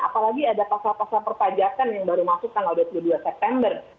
apalagi ada pasal pasal perpajakan yang baru masuk tanggal dua puluh dua september